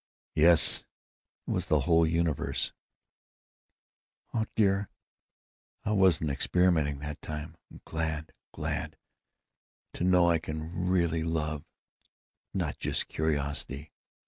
"Yes! It was the whole universe." "Hawk dear, I wasn't experimenting, that time. I'm glad, glad! To know I can really love; not just curiosity!...